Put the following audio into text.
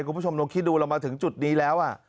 คุณผู้ชมลองคิดดูเรามาถึงจุดนี้แล้ว